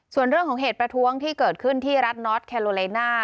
ส่วนเรื่องของเหตุประท้วงที่เกิดขึ้นที่รัฐน็อตแคโลเลน่า